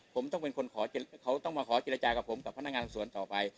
ผมต้องเป็นคนเขาต้องมาขอเจรจากับผมกับพนักงานสวนต่อไป